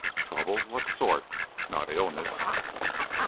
"Trouble? What sort? Not illness?"